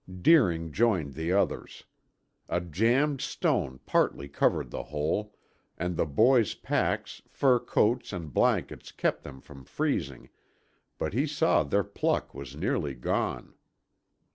Deering joined the others. A jambed stone partly covered the hole, and the boys' packs, fur coats and blankets kept them from freezing, but he saw their pluck was nearly gone.